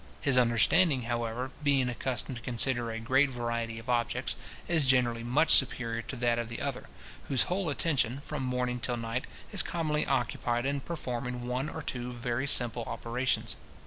His understanding, however, being accustomed to consider a greater variety of objects, is generally much superior to that of the other, whose whole attention, from morning till night, is commonly occupied in performing one or two very simple operations.